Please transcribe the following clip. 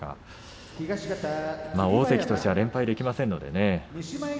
大関としては連敗できませんのでね。